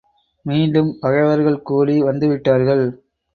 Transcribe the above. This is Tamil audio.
மீண்டும் பகைவர்கள்கூடி வந்துவிட்டார்கள்.